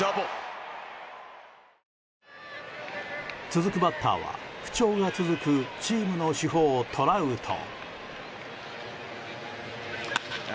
続くバッターは不調が続くチームの主砲トラウト。